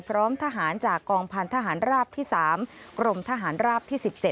พร้อมทหารจากกองพันธหารราบที่๓กรมทหารราบที่๑๗